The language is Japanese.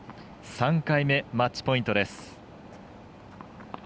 ３回目マッチポイントです。